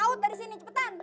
lo out dari sini cepetan